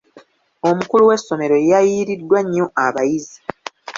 Omukulu w'essomero yayiiriddwa nnyo abayizi.